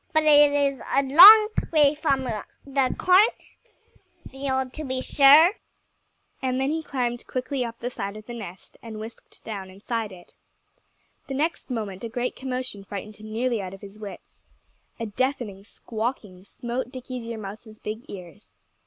"But it is a long way from the cornfield, to be sure." And then he climbed quickly up the side of the nest and whisked down inside it. The next moment a great commotion frightened him nearly out of his wits. A deafening squawking smote Dickie Deer Mouse's big ears.